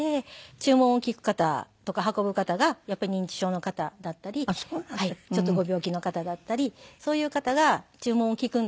注文を聞く方とか運ぶ方がやっぱり認知症の方だったりちょっとご病気の方だったりそういう方が注文を聞くんですけども。